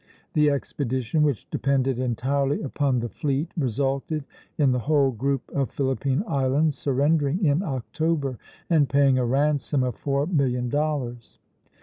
The expedition, which depended entirely upon the fleet, resulted in the whole group of Philippine Islands surrendering in October and paying a ransom of four million dollars.